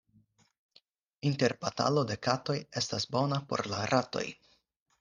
Interbatalo de katoj estas bona por la ratoj.